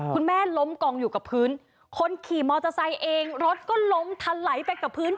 คุณแม่ล้มกองอยู่กับพื้นคนขี่มอเตอร์ไซค์เองรถก็ล้มทันไหลไปกับพื้น